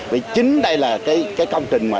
vì chính đây là cái công trình